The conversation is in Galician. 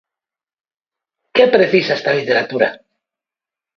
Que precisa esta literatura?